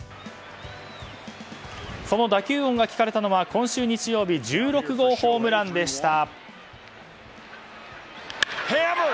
その打球音が聞かれたのは今週日曜日１６号ホームランでした。